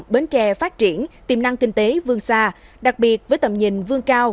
bến tre phát triển tiềm năng kinh tế vương xa đặc biệt với tầm nhìn vương cao